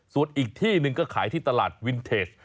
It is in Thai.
ส่วนอีกที่หนึ่งก็ขายที่ตลาดวินเทจ